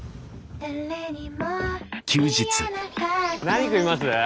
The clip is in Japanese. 何食います？